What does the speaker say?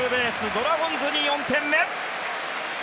ドラゴンズに４点目！